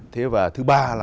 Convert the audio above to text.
thế và thứ ba là